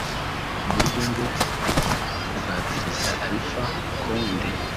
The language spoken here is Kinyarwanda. ku buryo ngo kubwa Perezida Alpha Condé